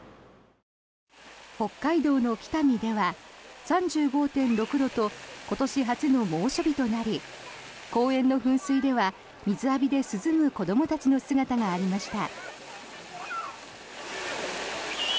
北海道の北見では３５．６度と今年初の猛暑日となり公園の噴水では水浴びで涼む子どもたちの姿がありました。